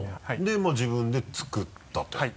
でまぁ自分で作ったと？